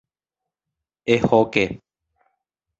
¡Ehóke!